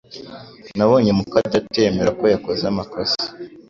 Nabonye muka data yemera ko yakoze amakosa